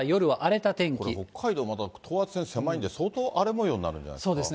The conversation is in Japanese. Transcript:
また等圧線狭いんで、相当、荒れもようになるんじゃないですか。